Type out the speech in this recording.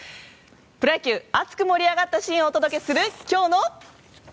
プロ野球熱く盛り上がったシーンをお届けする今日の。